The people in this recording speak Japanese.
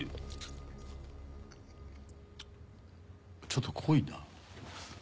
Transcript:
ちょっと濃いなぁ。